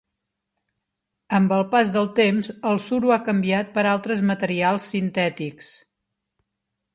Amb el pas del temps el suro ha canviat per altres materials sintètics.